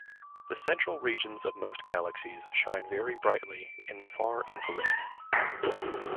The central regions of most galaxies shine very brightly in the far-infrared.